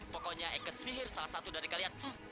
pokoknya eka sihir salah satu dari kalian